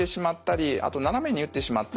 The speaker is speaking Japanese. あと斜めに打ってしまったりする